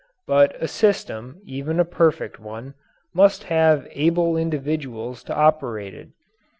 But a system, even a perfect one, must have able individuals to operate it.